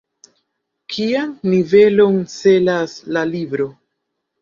Kian nivelon celas la libro?